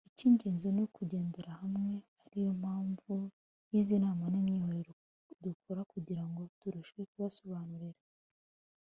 icy’ingenzi ni ukugendera hamwe ari yo mpamvu y’izi nama n’imyiherero dukora kugira ngo turusheho kubasobanurira